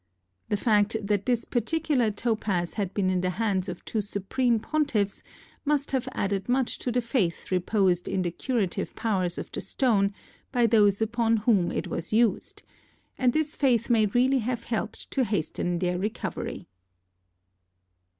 The fact that this particular topaz had been in the hands of two supreme pontiffs must have added much to the faith reposed in the curative powers of the stone by those upon whom it was used, and this faith may really have helped to hasten their recovery.